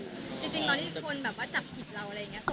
จริงตอนที่คนแบบว่าจับผิดเราอะไรอย่างนี้